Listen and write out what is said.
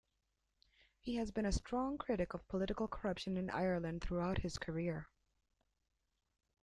He has been a strong critic of political corruption in Ireland throughout his career.